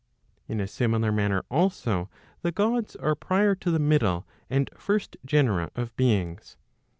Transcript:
In a similar manner also, the Gods are prior to the middle and first genera of beings.